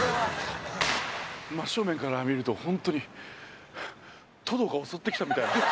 真っ正面から見るとホントにトドが襲ってきたみたいな。